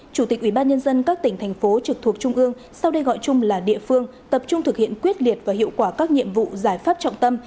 chủ tịch ubnd các tỉnh thành phố trực thuộc trung ương sau đây gọi chung là địa phương tập trung thực hiện quyết liệt và hiệu quả các nhiệm vụ giải pháp trọng tâm